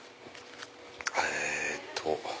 えっと。